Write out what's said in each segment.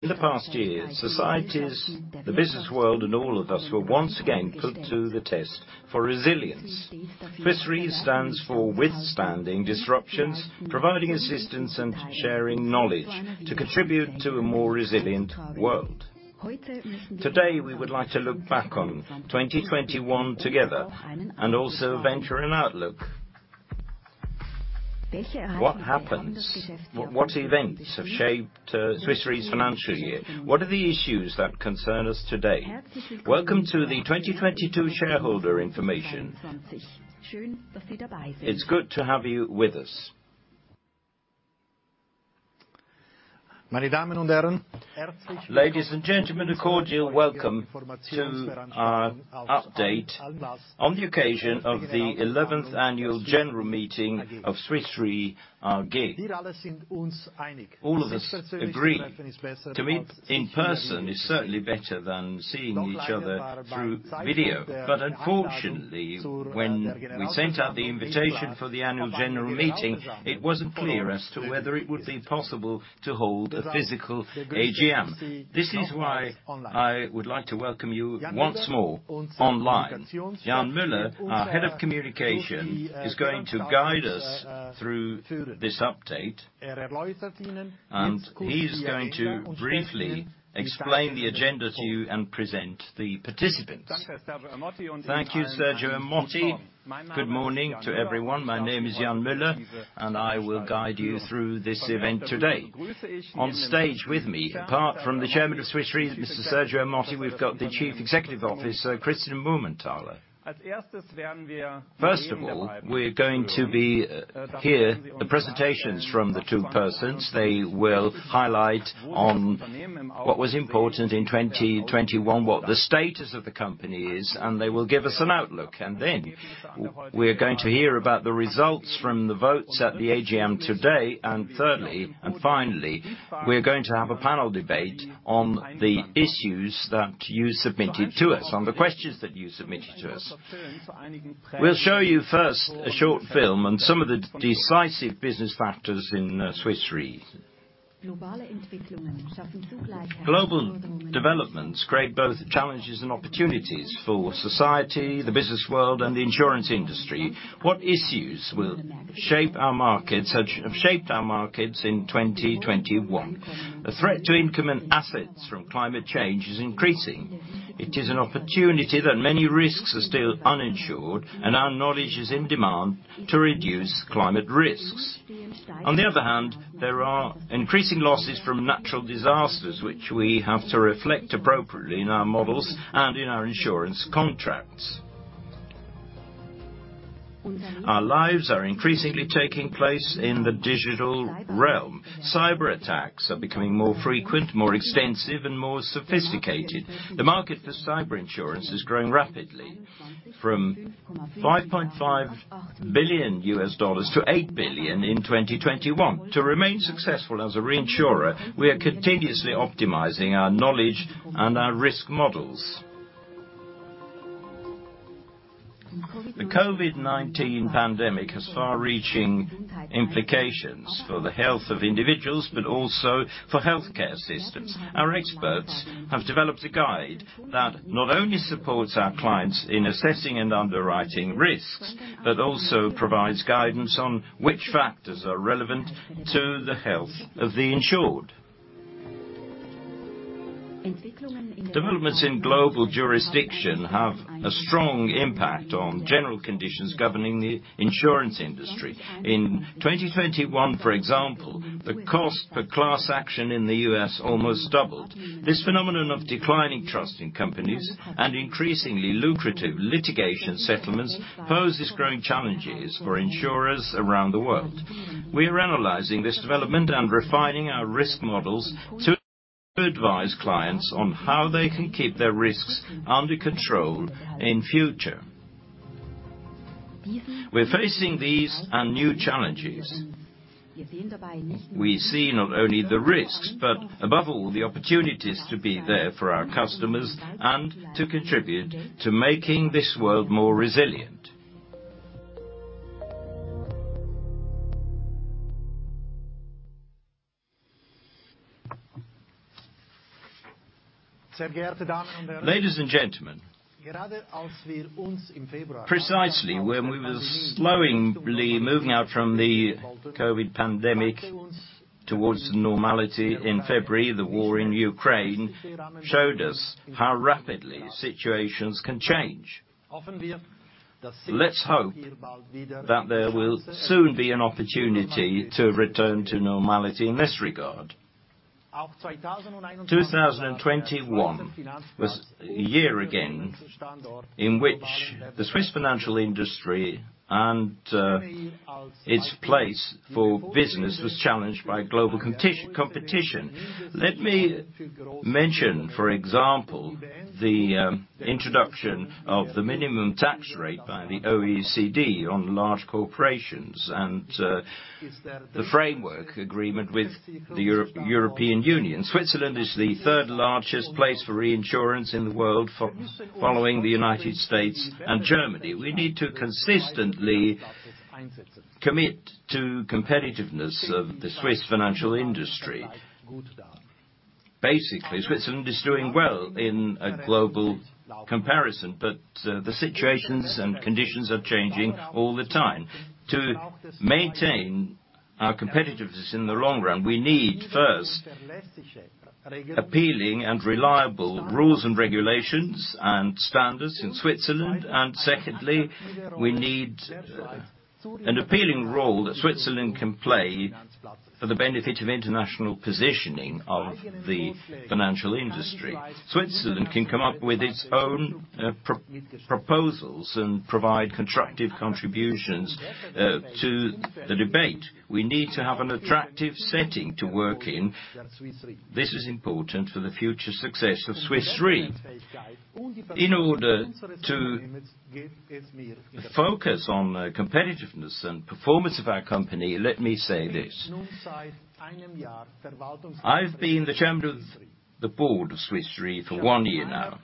In the past year, societies, the business world, and all of us were once again put to the test for resilience. Swiss Re stands for withstanding disruptions, providing assistance, and sharing knowledge to contribute to a more resilient world. Today, we would like to look back on 2021 together and also venture an outlook. What happens? What events have shaped Swiss Re's financial year? What are the issues that concern us today? Welcome to the 2022 shareholder information. It's good to have you with us. Ladies and gentlemen, a cordial welcome to our update on the occasion of the eleventh annual general meeting of Swiss Re AG. All of us agree that to meet in person is certainly better than seeing each other through video. Unfortunately, when we sent out the invitation for the annual general meeting, it wasn't clear as to whether it would be possible to hold a physical AGM. This is why I would like to welcome you once more online. Jan Müller, our Head of Communications, is going to guide us through this update, and he's going to briefly explain the agenda to you and present the participants. Thank you, Sergio Ermotti. Good morning to everyone. My name is Jan Müller, and I will guide you through this event today. On stage with me, apart from the Chairman of Swiss Re, Mr. Sergio Ermotti, we've got the Chief Executive Officer, Christian Mumenthaler. First of all, we're going to hear the presentations from the two persons. They will highlight on what was important in 2021, what the status of the company is, and they will give us an outlook. We're going to hear about the results from the votes at the AGM today. Thirdly, and finally, we're going to have a panel debate on the issues that you submitted to us, on the questions that you submitted to us. We'll show you first a short film on some of the decisive business factors in Swiss Re. Global developments create both challenges and opportunities for society, the business world, and the insurance industry. What issues will shape our markets, have shaped our markets in 2021? The threat to insured assets from climate change is increasing. It is an opportunity that many risks are still uninsured, and our knowledge is in demand to reduce climate risks. On the other hand, there are increasing losses from natural disasters, which we have to reflect appropriately in our models and in our insurance contracts. Our lives are increasingly taking place in the digital realm. Cyberattacks are becoming more frequent, more extensive, and more sophisticated. The market for cyber insurance is growing rapidly from $5.5 billion-$8 billion in 2021. To remain successful as a reinsurer, we are continuously optimizing our knowledge and our risk models. The COVID-19 pandemic has far-reaching implications for the health of individuals, but also for healthcare systems. Our experts have developed a guide that not only supports our clients in assessing and underwriting risks, but also provides guidance on which factors are relevant to the health of the insured. Developments in global jurisdiction have a strong impact on general conditions governing the insurance industry. In 2021, for example, the cost per class action in the U.S. almost doubled. This phenomenon of declining trust in companies and increasingly lucrative litigation settlements poses growing challenges for insurers around the world. We are analyzing this development and refining our risk models to advise clients on how they can keep their risks under control in future. We're facing these and new challenges. We see not only the risks, but above all, the opportunities to be there for our customers and to contribute to making this world more resilient. Ladies and gentlemen, precisely when we were slowly moving out from the COVID pandemic towards normality in February, the war in Ukraine showed us how rapidly situations can change. Let's hope that there will soon be an opportunity to return to normality in this regard. 2021 was a year again in which the Swiss financial industry and its place of business was challenged by global competition. Let me mention, for example, the introduction of the minimum tax rate by the OECD on large corporations and the framework agreement with the European Union. Switzerland is the third largest place for reinsurance in the world following the United States and Germany. We need to consistently commit to competitiveness of the Swiss financial industry. Basically, Switzerland is doing well in a global comparison, but the situations and conditions are changing all the time. To maintain our competitiveness in the long run, we need first appealing and reliable rules and regulations and standards in Switzerland. Secondly, we need an appealing role that Switzerland can play for the benefit of international positioning of the financial industry. Switzerland can come up with its own proposals and provide constructive contributions to the debate. We need to have an attractive setting to work in. This is important for the future success of Swiss Re. In order to focus on the competitiveness and performance of our company, let me say this. I've been the chairman of the board of Swiss Re for one year now.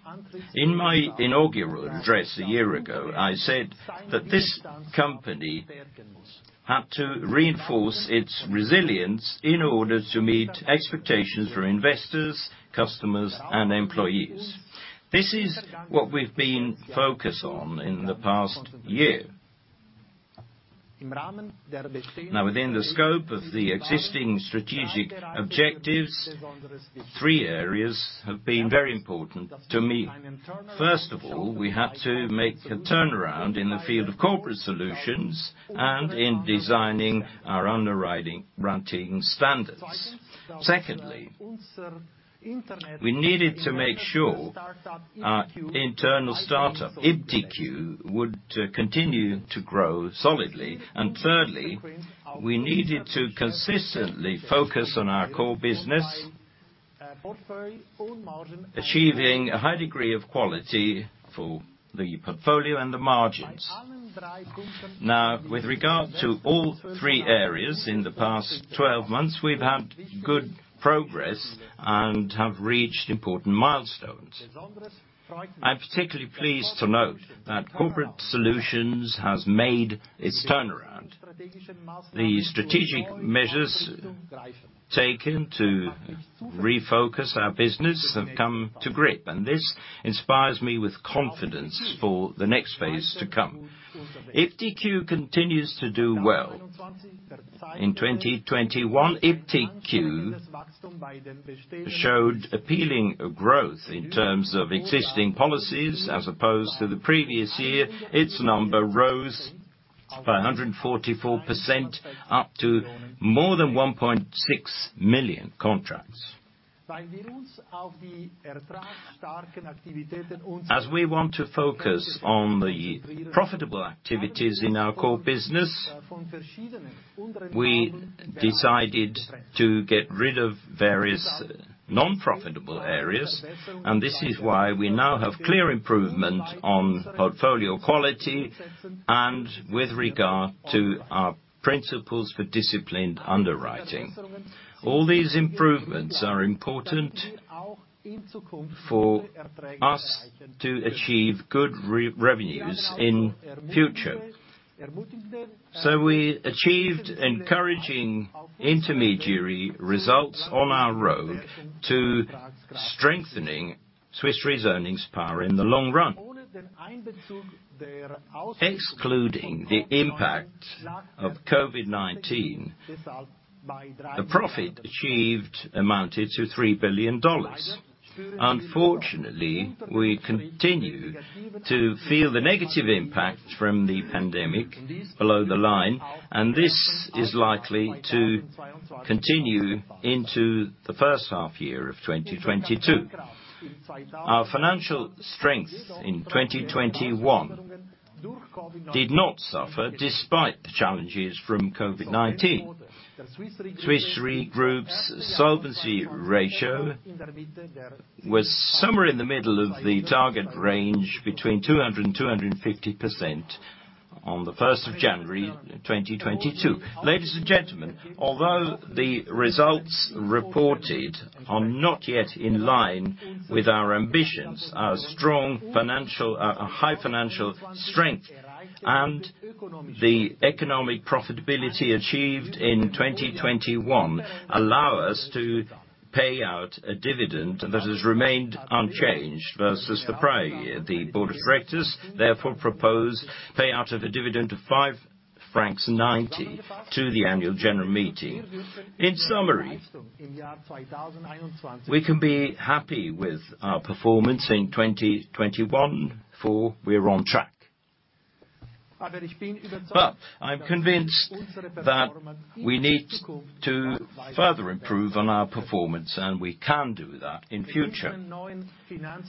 In my inaugural address a year ago, I said that this company had to reinforce its resilience in order to meet expectations for investors, customers, and employees. This is what we've been focused on in the past year. Now, within the scope of the existing strategic objectives, three areas have been very important to me. First of all, we had to make a turnaround in the field of Corporate Solutions and in designing our underwriting standards. Secondly, we needed to make sure our internal start-up, iptiQ, would continue to grow solidly. Thirdly, we needed to consistently focus on our core business, achieving a high degree of quality for the portfolio and the margins. Now, with regard to all three areas, in the past twelve months, we've had good progress and have reached important milestones. I'm particularly pleased to note that Corporate Solutions has made its turnaround. The strategic measures taken to refocus our business have come to grips, and this inspires me with confidence for the next phase to come. iptiQ continues to do well. In 2021, iptiQ showed appealing growth in terms of existing policies as opposed to the previous year. Its number rose by 144%, up to more than 1.6 million contracts. As we want to focus on the profitable activities in our core business, we decided to get rid of various non-profitable areas, and this is why we now have clear improvement on portfolio quality and with regard to our principles for disciplined underwriting. All these improvements are important for us to achieve good revenues in future. We achieved encouraging interim results on our road to strengthening Swiss Re's earnings power in the long run. Excluding the impact of COVID-19, the profit achieved amounted to $3 billion. Unfortunately, we continue to feel the negative impact from the pandemic below the line, and this is likely to continue into the first half year of 2022. Our financial strengths in 2021 did not suffer despite the challenges from COVID-19. Swiss Re Group's solvency ratio was somewhere in the middle of the target range between 200%-250% on the first of January, 2022. Ladies and gentlemen, although the results reported are not yet in line with our ambitions, our strong financial, high financial strength and the economic profitability achieved in 2021 allow us to pay out a dividend that has remained unchanged versus the prior year. The Board of Directors therefore propose payout of a dividend of 5.90 francs to the annual general meeting. In summary, we can be happy with our performance in 2021, for we're on track. I'm convinced that we need to further improve on our performance, and we can do that in future.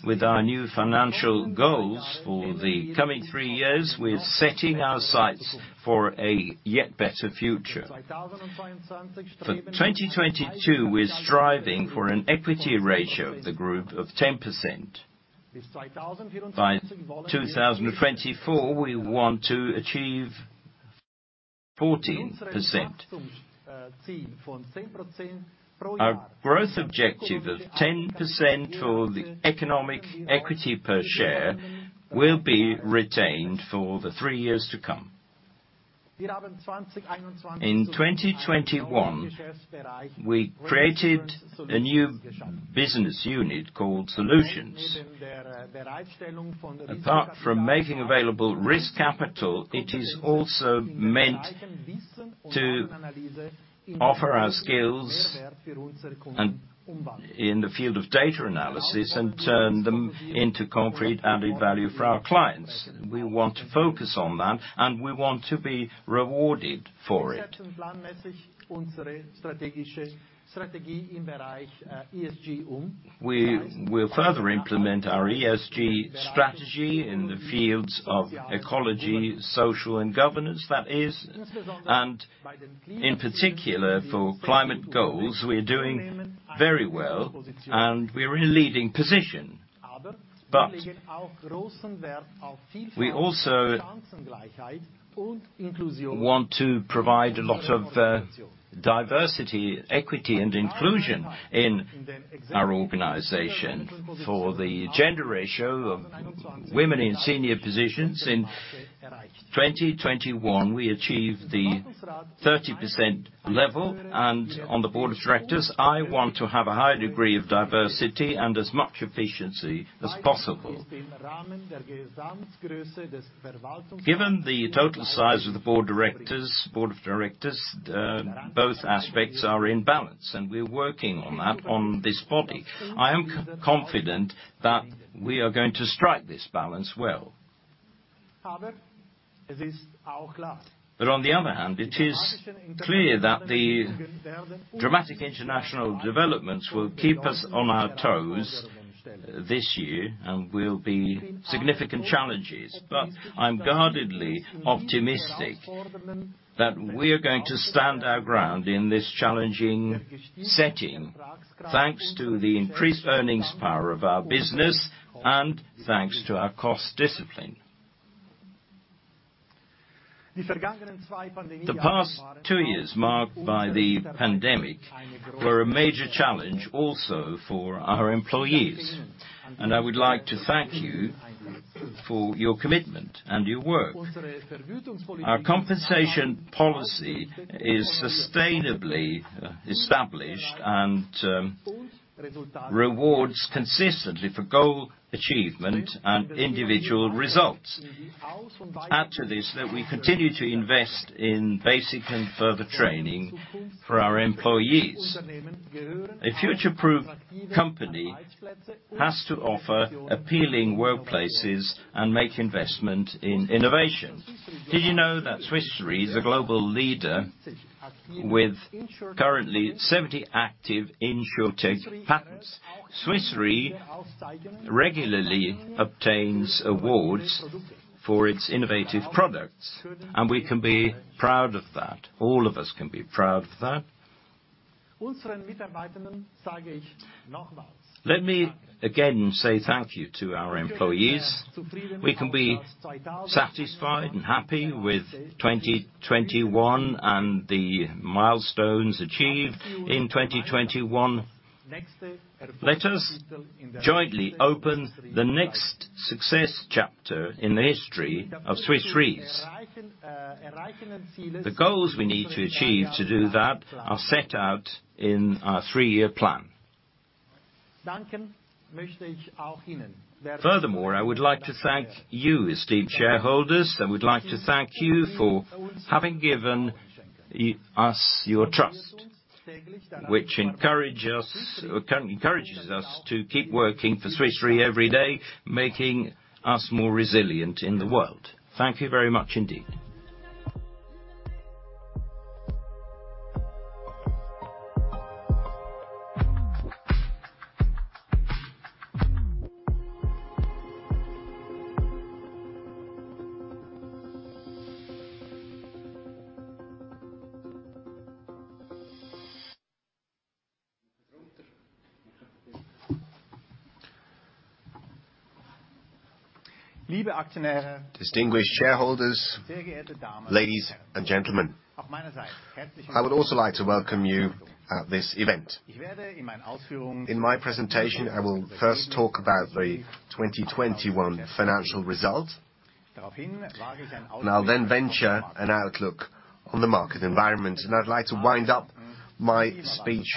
With our new financial goals for the coming 3 years, we're setting our sights for a yet better future. For 2022, we're striving for an equity ratio of the group of 10%. By 2024, we want to achieve 14%. Our growth objective of 10% for the economic equity per share will be retained for the three years to come. In 2021, we created a new business unit called Solutions. Apart from making available risk capital, it is also meant to offer our skills and in the field of data analysis and turn them into concrete added value for our clients. We want to focus on that, and we want to be rewarded for it. We will further implement our ESG strategy in the fields of ecology, social, and governance, that is. In particular, for climate goals, we're doing very well and we're in a leading position. We also want to provide a lot of diversity, equity, and inclusion in our organization. For the gender ratio of women in senior positions in 2021, we achieved the 30% level. On the Board of Directors, I want to have a high degree of diversity and as much efficiency as possible. Given the total size of the Board of Directors, both aspects are in balance, and we're working on that on this body. I am confident that we are going to strike this balance well. On the other hand, it is clear that the dramatic international developments will keep us on our toes this year and will be significant challenges. I'm guardedly optimistic that we're going to stand our ground in this challenging setting, thanks to the increased earnings power of our business and thanks to our cost discipline. The past two years marked by the pandemic were a major challenge also for our employees, and I would like to thank you for your commitment and your work. Our compensation policy is sustainably established and rewards consistently for goal achievement and individual results. Add to this that we continue to invest in basic and further training for our employees. A future-proof company has to offer appealing workplaces and make investment in innovation. Did you know that Swiss Re is a global leader with currently 70 active Insurtech patents? Swiss Re regularly obtains awards for its innovative products, and we can be proud of that. All of us can be proud of that. Let me again say thank you to our employees. We can be satisfied and happy with 2021 and the milestones achieved in 2021. Let us jointly open the next success chapter in the history of Swiss Re's. The goals we need to achieve to do that are set out in our three-year plan. Furthermore, I would like to thank you, esteemed shareholders. I would like to thank you for having given us your trust, which encourages us to keep working for Swiss Re every day, making us more resilient in the world. Thank you very much indeed. Distinguished shareholders, ladies and gentlemen, I would also like to welcome you at this event. In my presentation, I will first talk about the 2021 financial result, and I'll then venture an outlook on the market environment. I'd like to wind up my speech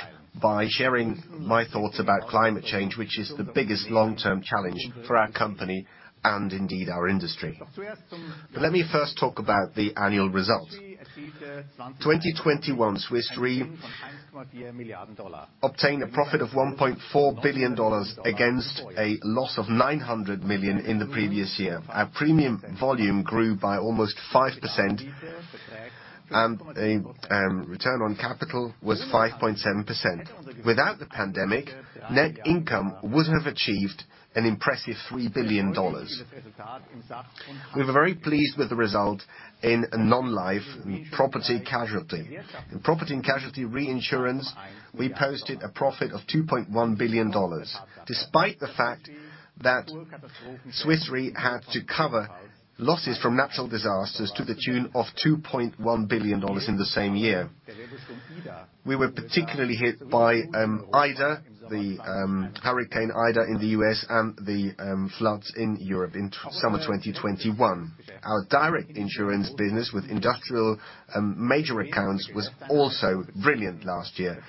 by sharing my thoughts about climate change, which is the biggest long-term challenge for our company and indeed our industry. Let me first talk about the annual results. 2021, Swiss Re obtained a profit of $1.4 billion against a loss of $900 million in the previous year. Our premium volume grew by almost 5%, and a return on capital was 5.7%. Without the pandemic, net income would have achieved an impressive $3 billion. We were very pleased with the result in non-life property casualty. In property and casualty reinsurance, we posted a profit of $2.1 billion, despite the fact that Swiss Re had to cover losses from natural disasters to the tune of $2.1 billion in the same year. We were particularly hit by Ida, the Hurricane Ida in the U.S. and the floods in Europe in summer 2021. Our direct insurance business with industrial major accounts was also brilliant last year.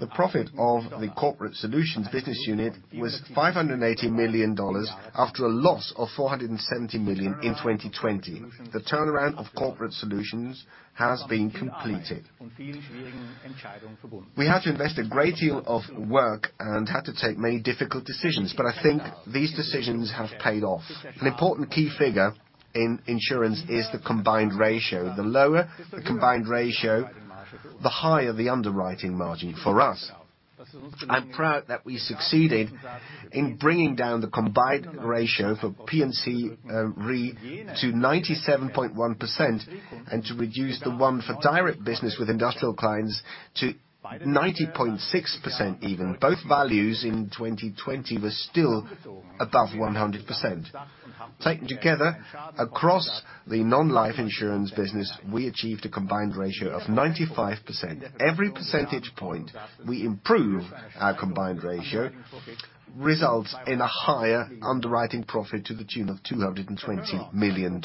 The profit of the Corporate Solutions business unit was $580 million after a loss of $470 million in 2020. The turnaround of Corporate Solutions has been completed. We had to invest a great deal of work and had to take many difficult decisions, but I think these decisions have paid off. An important key figure in insurance is the combined ratio. The lower the combined ratio, the higher the underwriting margin for us. I'm proud that we succeeded in bringing down the combined ratio for P&C Re to 97.1% and to reduce the one for direct business with industrial clients to 90.6% even. Both values in 2020 were still above 100%. Taken together, across the non-life insurance business, we achieved a combined ratio of 95%. Every percentage point we improve our combined ratio results in a higher underwriting profit to the tune of $220 million.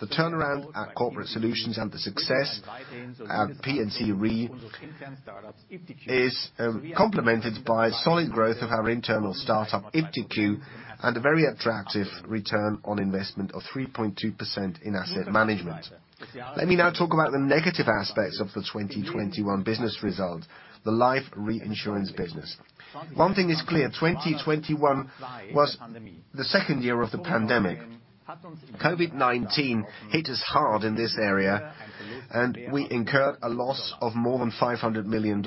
The turnaround at Corporate Solutions and the success at P&C Re is complemented by solid growth of our internal startup, iptiQ, and a very attractive return on investment of 3.2% in asset management. Let me now talk about the negative aspects of the 2021 business result, the life reinsurance business. One thing is clear, 2021 was the second year of the pandemic. COVID-19 hit us hard in this area, and we incurred a loss of more than $500 million.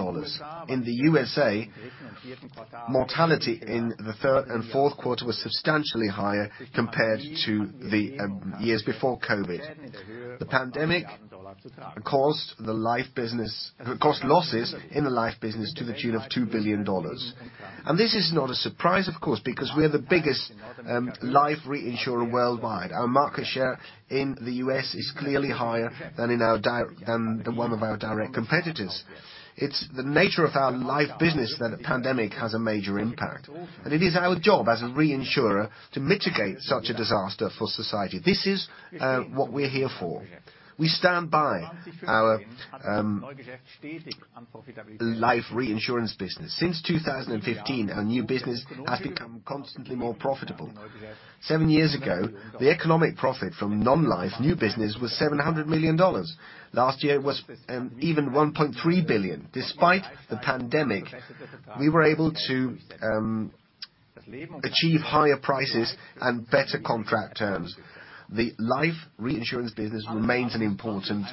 In the U.S., mortality in the third and fourth quarter was substantially higher compared to the years before COVID. The pandemic caused losses in the life business to the tune of $2 billion. This is not a surprise, of course, because we are the biggest life reinsurer worldwide. Our market share in the U.S. is clearly higher than the one of our direct competitors. It's the nature of our life business that a pandemic has a major impact, and it is our job as a reinsurer to mitigate such a disaster for society. This is what we're here for. We stand by our life reinsurance business. Since 2015, our new business has become constantly more profitable. Seven years ago, the economic profit from non-life new business was $700 million. Last year, it was even $1.3 billion. Despite the pandemic, we were able to achieve higher prices and better contract terms. The life reinsurance business remains an important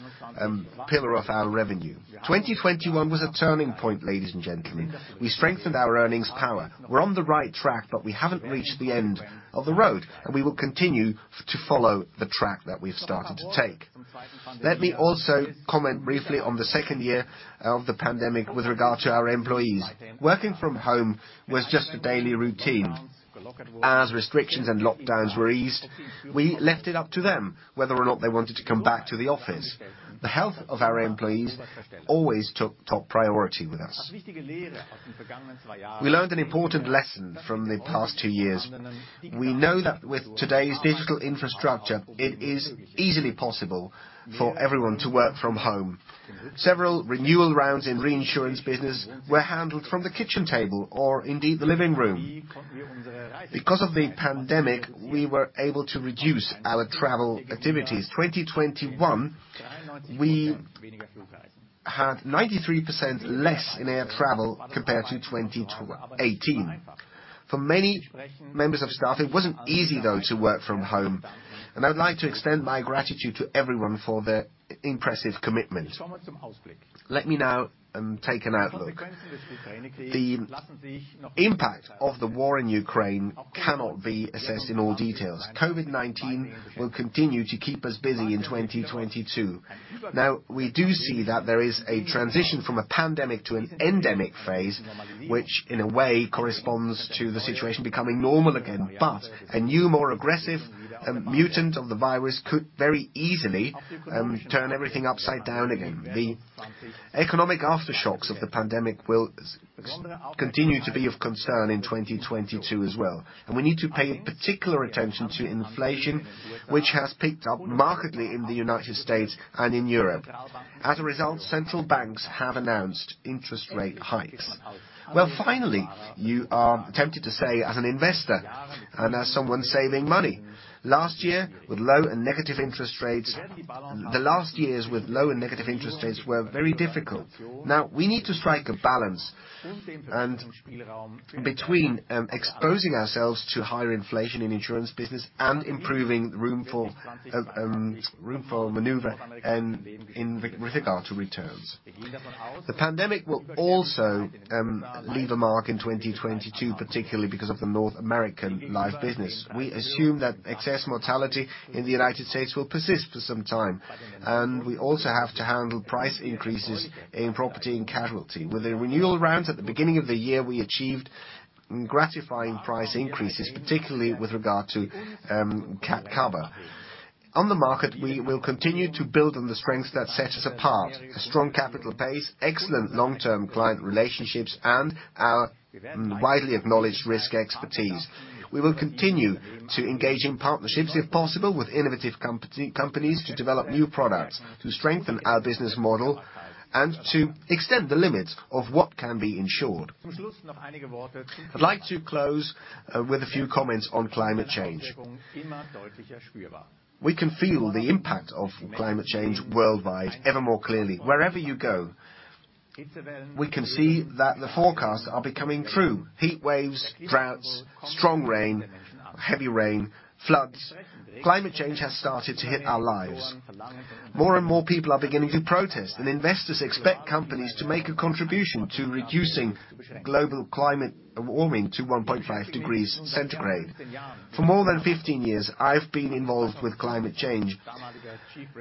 pillar of our revenue. 2021 was a turning point, ladies and gentlemen. We strengthened our earnings power. We're on the right track, but we haven't reached the end of the road, and we will continue to follow the track that we've started to take. Let me also comment briefly on the second year of the pandemic with regard to our employees. Working from home was just a daily routine. As restrictions and lockdowns were eased, we left it up to them whether or not they wanted to come back to the office. The health of our employees always took top priority with us. We learned an important lesson from the past two years. We know that with today's digital infrastructure, it is easily possible for everyone to work from home. Several renewal rounds in reinsurance business were handled from the kitchen table or indeed the living room. Because of the pandemic, we were able to reduce our travel activities. 2021, we had 93% less in air travel compared to 2018. For many members of staff, it wasn't easy, though, to work from home, and I'd like to extend my gratitude to everyone for their impressive commitment. Let me now take an outlook. The impact of the war in Ukraine cannot be assessed in all details. COVID-19 will continue to keep us busy in 2022. Now, we do see that there is a transition from a pandemic to an endemic phase, which in a way corresponds to the situation becoming normal again. A new, more aggressive mutant of the virus could very easily turn everything upside down again. The economic aftershocks of the pandemic will continue to be of concern in 2022 as well. We need to pay particular attention to inflation, which has picked up markedly in the United States and in Europe. As a result, central banks have announced interest rate hikes. Well, finally, you are tempted to say as an investor and as someone saving money, last year with low and negative interest rates, the last years with low and negative interest rates were very difficult. Now, we need to strike a balance between exposing ourselves to higher inflation in insurance business and improving room for maneuver with regard to returns. The pandemic will also leave a mark in 2022, particularly because of the North American life business. We assume that excess mortality in the United States will persist for some time, and we also have to handle price increases in property and casualty. With the renewal rounds at the beginning of the year, we achieved gratifying price increases, particularly with regard to cat cover. On the market, we will continue to build on the strengths that set us apart. A strong capital base, excellent long-term client relationships, and our widely acknowledged risk expertise. We will continue to engage in partnerships, if possible, with innovative companies to develop new products, to strengthen our business model, and to extend the limits of what can be insured. I'd like to close with a few comments on climate change. We can feel the impact of climate change worldwide ever more clearly. Wherever you go, we can see that the forecasts are becoming true. Heat waves, droughts, strong rain, heavy rain, floods. Climate change has started to hit our lives. More and more people are beginning to protest, and investors expect companies to make a contribution to reducing global climate warming to 1.5 degrees centigrade. For more than 15 years, I've been involved with climate change.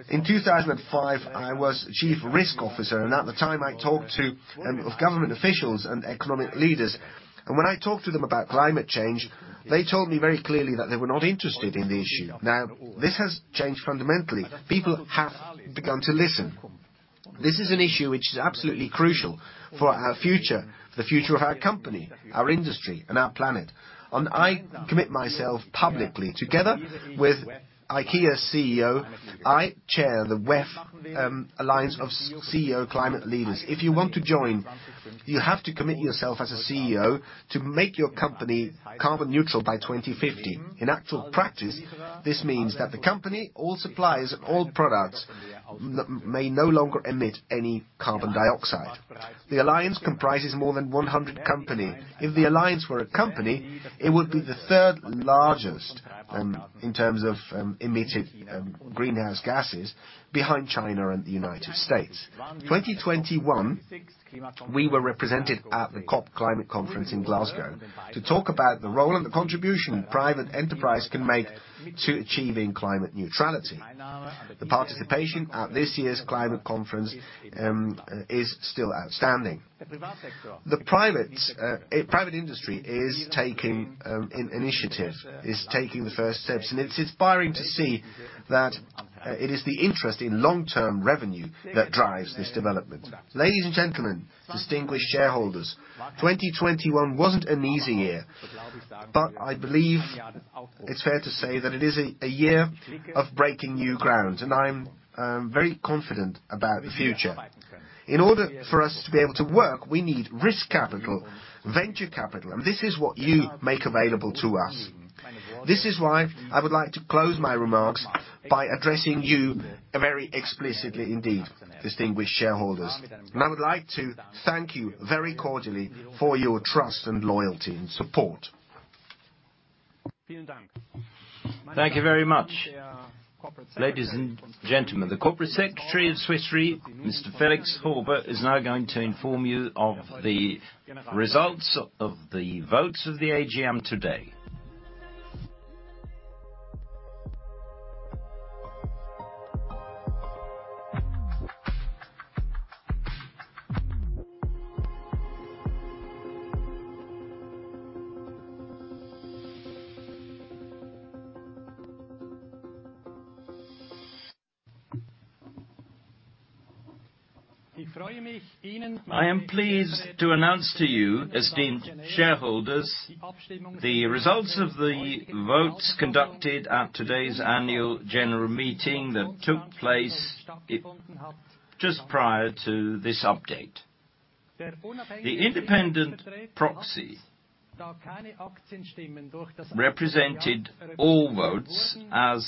In 2005, I was Chief Risk Officer, and at the time, I talked to government officials and economic leaders. When I talked to them about climate change, they told me very clearly that they were not interested in the issue. Now, this has changed fundamentally. People have begun to listen. This is an issue which is absolutely crucial for our future, the future of our company, our industry, and our planet. I commit myself publicly. Together with IKEA CEO, I chair the WEF Alliance of CEO Climate Leaders. If you want to join, you have to commit yourself as a CEO to make your company carbon neutral by 2050. In actual practice, this means that the company, all suppliers, and all products may no longer emit any carbon dioxide. The alliance comprises more than 100 companies. If the alliance were a company, it would be the third largest in terms of emitted greenhouse gases behind China and the United States. In 2021, we were represented at the COP climate conference in Glasgow to talk about the role and the contribution a private enterprise can make to achieving climate neutrality. The participation at this year's climate conference is still outstanding. The private industry is taking an initiative, is taking the first steps, and it's inspiring to see that it is the interest in long-term revenue that drives this development. Ladies and gentlemen, distinguished shareholders, 2021 wasn't an easy year, but I believe it's fair to say that it is a year of breaking new ground, and I'm very confident about the future. In order for us to be able to work, we need risk capital, venture capital, and this is what you make available to us. This is why I would like to close my remarks by addressing you very explicitly indeed, distinguished shareholders. I would like to thank you very cordially for your trust and loyalty and support. Thank you very much. Ladies and gentlemen, the Corporate Secretary of Swiss Re, Mr. Felix Horber, is now going to inform you of the results of the votes of the AGM today. I am pleased to announce to you, esteemed shareholders, the results of the votes conducted at today's annual general meeting that took place just prior to this update. The independent proxy represented all votes as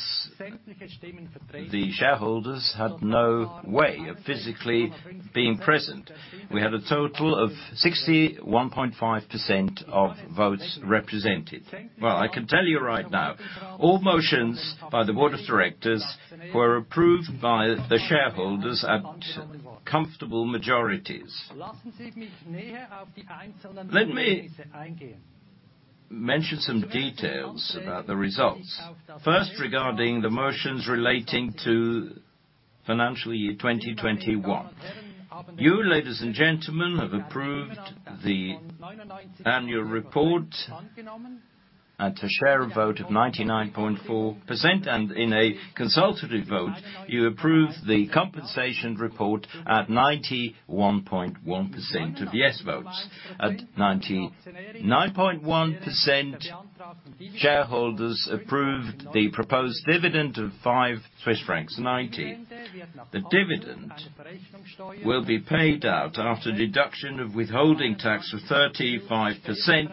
the shareholders had no way of physically being present. We had a total of 61.5% of votes represented. Well, I can tell you right now, all motions by the Board of Directors were approved by the shareholders at comfortable majorities. Let me mention some details about the results. First, regarding the motions relating to financial year 2021. You, ladies and gentlemen, have approved the annual report at a share of vote of 99.4%. In a consultative vote, you approved the compensation report at 91.1% of yes votes. At 99.1%, shareholders approved the proposed dividend of 5.90 Swiss francs. The dividend will be paid out after deduction of withholding tax of 35%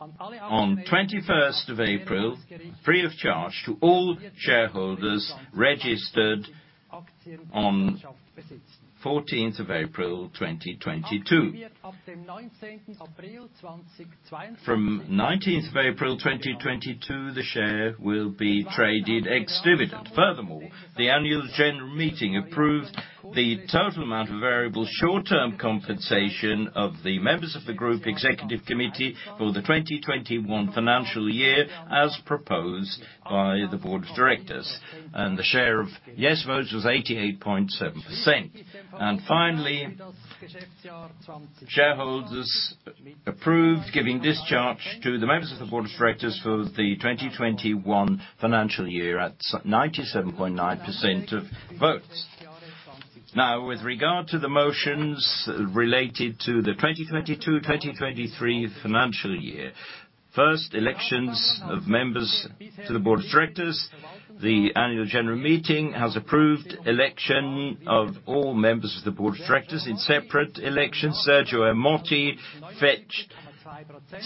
on 21st of April, free of charge to all shareholders registered on 14th of April, 2022. From 19th of April, 2022, the share will be traded ex-dividend. Furthermore, the annual general meeting approved the total amount of variable short-term compensation of the members of the Group Executive Committee for the 2021 financial year, as proposed by the board of directors. The share of yes votes was 88.7%. Finally, shareholders approved giving discharge to the members of the Board of Directors for the 2021 financial year at 97.9% of votes. With regard to the motions related to the 2022, 2023 financial year. First, elections of members to the Board of Directors. The Annual General Meeting has approved election of all members of the Board of Directors in separate elections. Sergio Ermotti received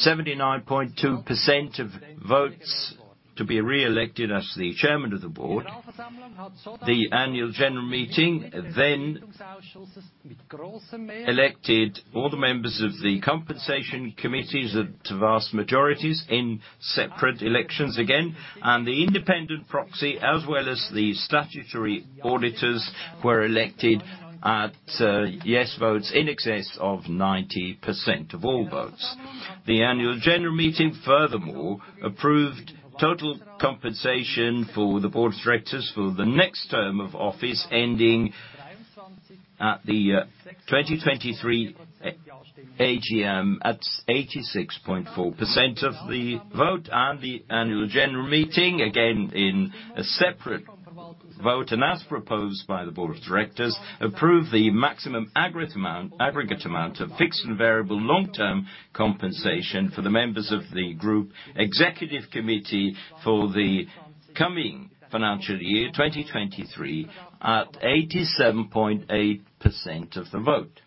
79.2% of votes to be re-elected as the Chairman of the Board. The Annual General Meeting then elected all the members of the Compensation Committees at vast majorities in separate elections again, and the independent proxy, as well as the statutory auditors, were elected at yes votes in excess of 90% of all votes. The annual general meeting furthermore approved total compensation for the board of directors for the next term of office ending at the 2023 AGM at 86.4% of the vote. The annual general meeting, again, in a separate vote, and as proposed by the board of directors, approved the maximum aggregate amount of fixed and variable long-term compensation for the members of the Group Executive Committee for the coming financial year, 2023, at 87.8% of the vote.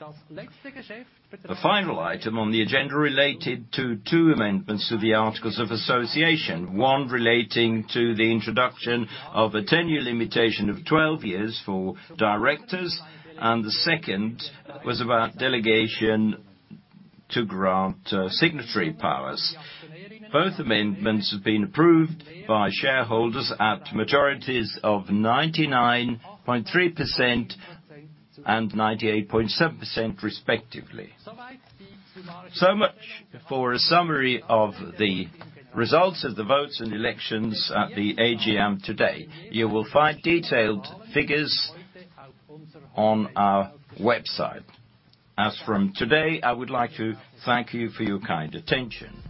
The final item on the agenda related to two amendments to the Articles of Association, one relating to the introduction of a tenure limitation of 12 years for directors, and the second was about delegation to grant signatory powers. Both amendments have been approved by shareholders at majorities of 99.3% and 98.7% respectively. Much for a summary of the results of the votes and elections at the AGM today. You will find detailed figures on our website. As from today, I would like to thank you for your kind attention.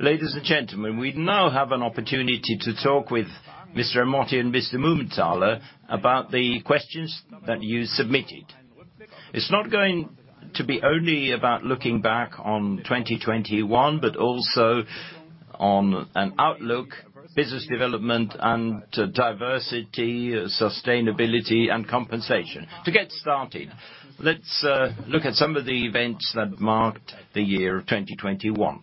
Ladies and gentlemen, we now have an opportunity to talk with Mr. Ermotti and Mr. Mumenthaler about the questions that you submitted. It's not going to be only about looking back on 2021, but also on an outlook, business development, and diversity, sustainability, and compensation. To get started, let's look at some of the events that marked the year of 2021.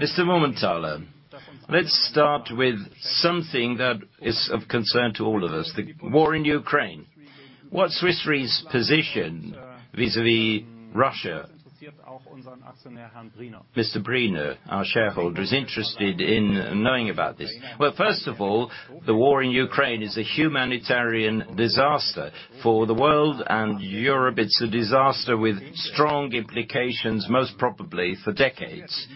Mr. Mumenthaler, let's start with something that is of concern to all of us, the war in Ukraine. What's Swiss Re's position vis-à-vis Russia? Mr. Briner, our shareholder, is interested in knowing about this. Well, first of all, the war in Ukraine is a humanitarian disaster for the world and Europe. It's a disaster with strong implications, most probably for decades.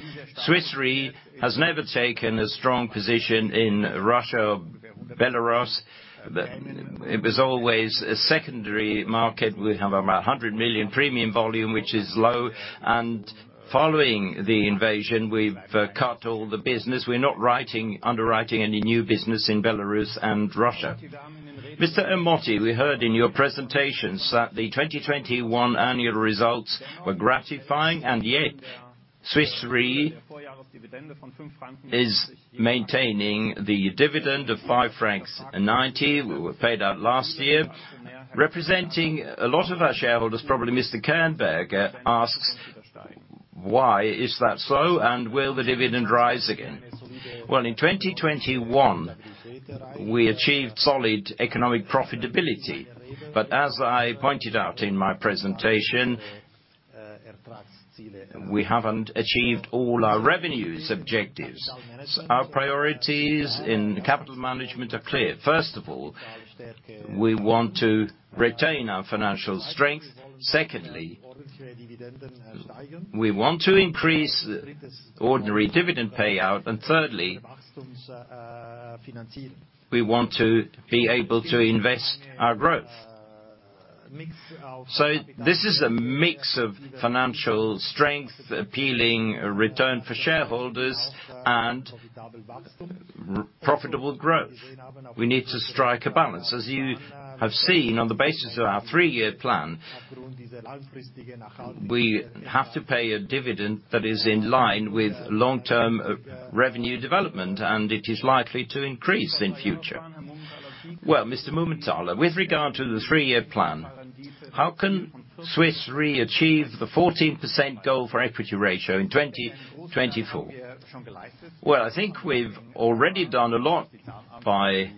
Swiss Re has never taken a strong position in Russia and Belarus. It was always a secondary market. We have about $100 million premium volume, which is low. Following the invasion, we've cut all the business. We're not underwriting any new business in Belarus and Russia. Mr. Ermotti, we heard in your presentations that the 2021 annual results were gratifying, and yet Swiss Re is maintaining the dividend of 5.90 francs we paid out last year. Representing a lot of our shareholders, probably Mr. Kernberg asks, why is that so and will the dividend rise again? Well, in 2021, we achieved solid economic profitability. As I pointed out in my presentation, we haven't achieved all our revenues objectives. Our priorities in capital management are clear. First of all, we want to retain our financial strength. Secondly, we want to increase ordinary dividend payout. Thirdly, we want to be able to invest our growth. This is a mix of financial strength, appealing return for shareholders, and profitable growth. We need to strike a balance. As you have seen on the basis of our three-year plan, we have to pay a dividend that is in line with long-term revenue development, and it is likely to increase in future. Well, Mr. Mumenthaler, with regard to the three-year plan, how can Swiss Re achieve the 14% goal for equity ratio in 2024? Well, I think we've already done a lot by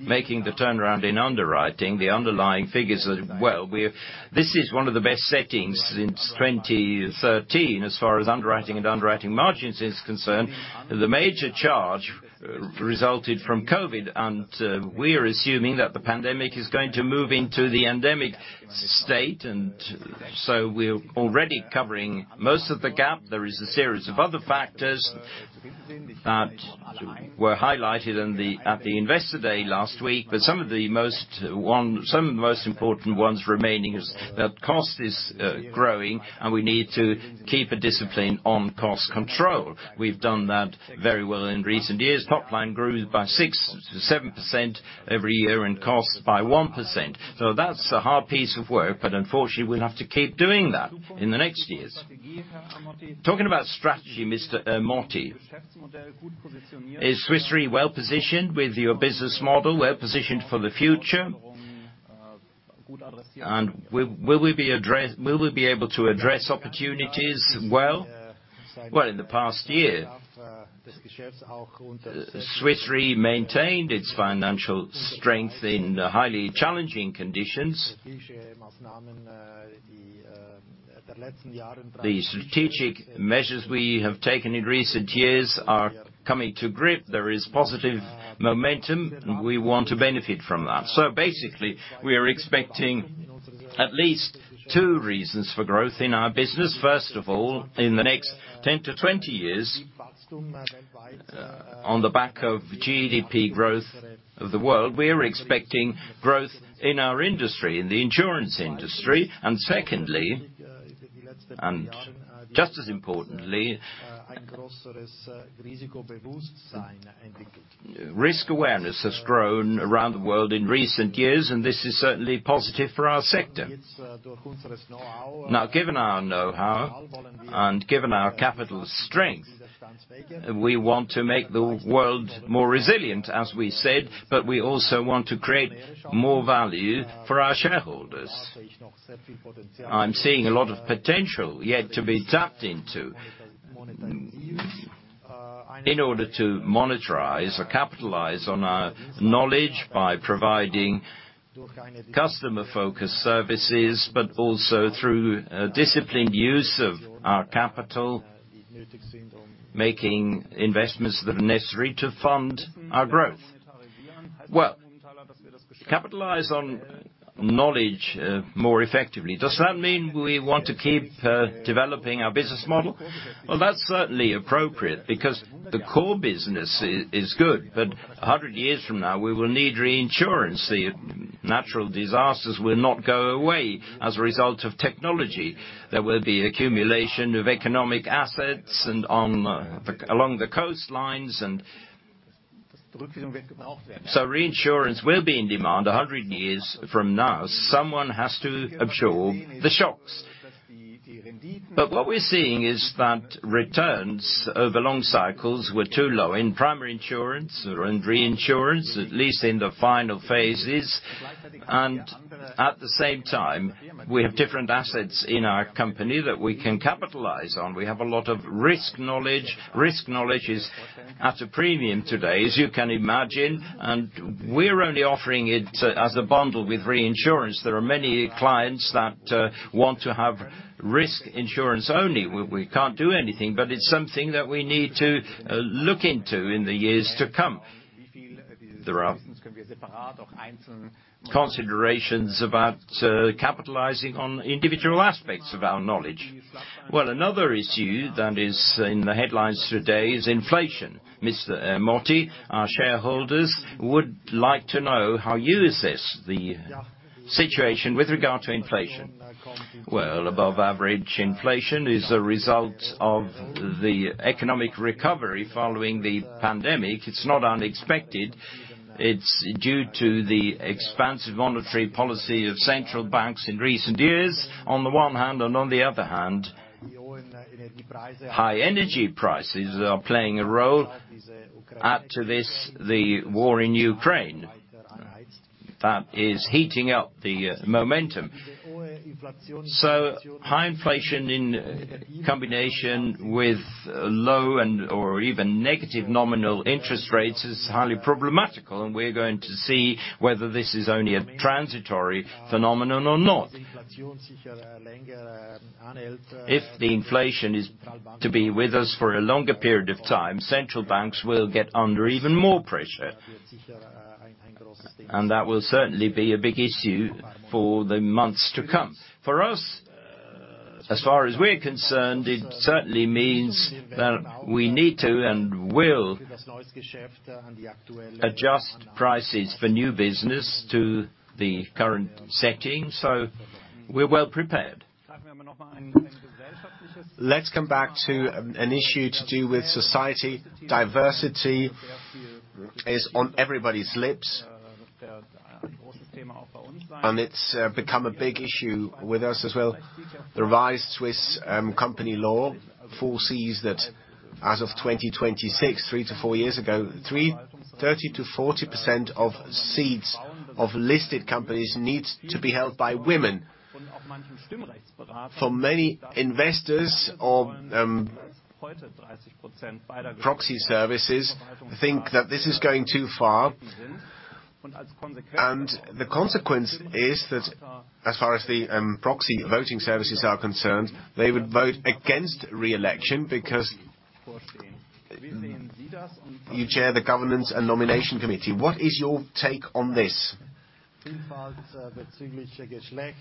making the turnaround in underwriting. The underlying figures are... Well, this is one of the best settings since 2013 as far as underwriting and underwriting margins is concerned. The major charge resulted from COVID, and we're assuming that the pandemic is going to move into the endemic state. We're already covering most of the gap. There is a series of other factors that were highlighted at the Investor Day last week. Some of the most important ones remaining is that cost is growing, and we need to keep a discipline on cost control. We've done that very well in recent years. Topline grew by 6%-7% every year and costs by 1%. That's a hard piece of work, but unfortunately we'll have to keep doing that in the next years. Talking about strategy, Mr. Ermotti, is Swiss Re well-positioned with your business model, well positioned for the future? Will we be able to address opportunities well? Well, in the past year, Swiss Re maintained its financial strength in the highly challenging conditions. The strategic measures we have taken in recent years are coming to grips. There is positive momentum, and we want to benefit from that. Basically, we are expecting at least two reasons for growth in our business. First of all, in the next 10-20 years, on the back of GDP growth of the world, we are expecting growth in our industry, in the insurance industry. Secondly, and just as importantly, risk awareness has grown around the world in recent years, and this is certainly positive for our sector. Now, given our know-how and given our capital strength, we want to make the world more resilient, as we said, but we also want to create more value for our shareholders. I'm seeing a lot of potential yet to be tapped into in order to monetize or capitalize on our knowledge by providing customer-focused services, but also through a disciplined use of our capital, making investments that are necessary to fund our growth. Well, capitalize on knowledge, more effectively. Does that mean we want to keep, developing our business model? Well, that's certainly appropriate because the core business is good. A hundred years from now, we will need reinsurance. The natural disasters will not go away as a result of technology. There will be accumulation of economic assets and along the coastlines. Reinsurance will be in demand a hundred years from now. Someone has to absorb the shocks. What we're seeing is that returns over long cycles were too low in primary insurance or in reinsurance, at least in the final phases. At the same time, we have different assets in our company that we can capitalize on. We have a lot of risk knowledge. Risk knowledge is at a premium today, as you can imagine, and we're only offering it as a bundle with reinsurance. There are many clients that want to have risk insurance only. We can't do anything, but it's something that we need to look into in the years to come. considerations about capitalizing on individual aspects of our knowledge. Well, another issue that is in the headlines today is inflation. Mr. Ermotti, our shareholders would like to know how you assess the situation with regard to inflation. Well, above average inflation is a result of the economic recovery following the pandemic. It's not unexpected. It's due to the expansive monetary policy of central banks in recent years on the one hand, and on the other hand, high energy prices are playing a role. Add to this the war in Ukraine. That is heating up the momentum. High inflation in combination with low and/or even negative nominal interest rates is highly problematical, and we're going to see whether this is only a transitory phenomenon or not. If the inflation is to be with us for a longer period of time, central banks will get under even more pressure. That will certainly be a big issue for the months to come. For us, as far as we're concerned, it certainly means that we need to and will adjust prices for new business to the current setting, so we're well prepared. Let's come back to an issue to do with society. Diversity is on everybody's lips. It's become a big issue with us as well. The revised Swiss company law foresees that as of 2026, 30%-40% of seats of listed companies needs to be held by women. For many investors or proxy services think that this is going too far. The consequence is that as far as the proxy voting services are concerned, they would vote against re-election because you chair the Governance and Nomination Committee. What is your take on this?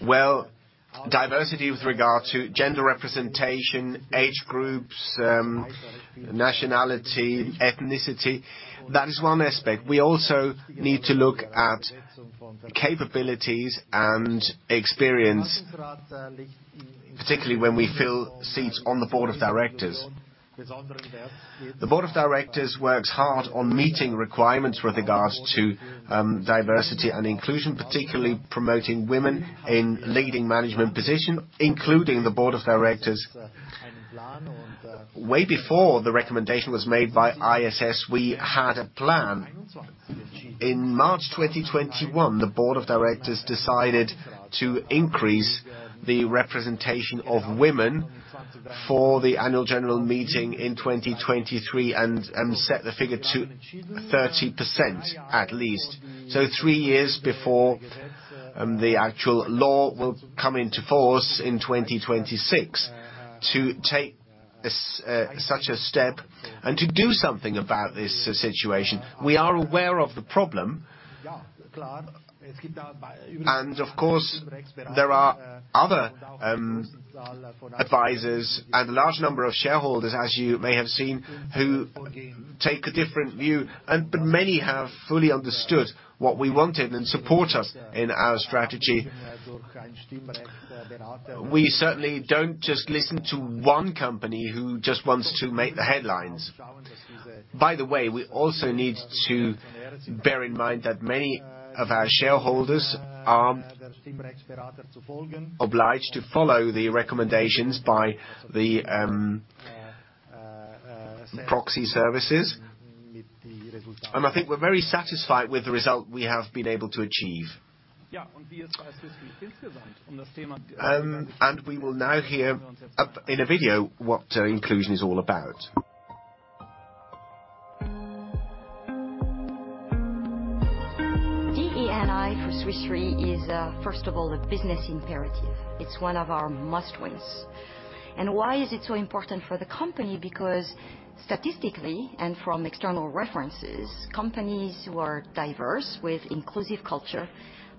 Well, diversity with regard to gender representation, age groups, nationality, ethnicity, that is one aspect. We also need to look at capabilities and experience, particularly when we fill seats on the Board of Directors. The Board of Directors works hard on meeting requirements with regards to diversity and inclusion, particularly promoting women in leading management position, including the Board of Directors. Way before the recommendation was made by ISS, we had a plan. In March 2021, the Board of Directors decided to increase the representation of women for the Annual General Meeting in 2023 and set the figure to 30% at least. Three years before, the actual law will come into force in 2026 to take this, such a step and to do something about this situation. We are aware of the problem. Of course, there are other advisors and a large number of shareholders, as you may have seen, who take a different view. Many have fully understood what we wanted and support us in our strategy. We certainly don't just listen to one company who just wants to make the headlines. By the way, we also need to bear in mind that many of our shareholders aren't obliged to follow the recommendations by the proxy services. I think we're very satisfied with the result we have been able to achieve. We will now hear in a video what inclusion is all about. DE&I for Swiss Re is first of all, the business imperative. It's one of our must-wins. Why is it so important for the company? Because statistically and from external references, companies who are diverse with inclusive culture